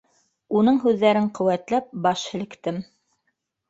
Уның һүҙҙәрен ҡеүәтләп, баш һелктем.